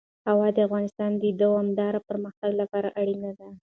هوا د افغانستان د دوامداره پرمختګ لپاره اړین دي.